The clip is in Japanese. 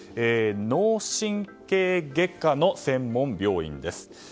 脳神経外科の専門病院です。